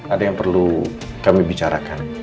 ada yang perlu kami bicarakan